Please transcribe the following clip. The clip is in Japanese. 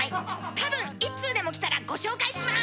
たぶん１通でも来たらご紹介します！